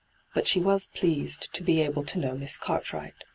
But she was pleased to be able to know Miss Cart wright.